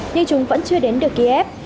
nhưng chúng vẫn chưa đến được kiev